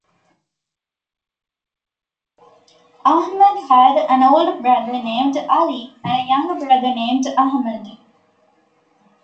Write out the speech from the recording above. Ahmad had an older brother named 'Ali and a younger brother named Ahmad.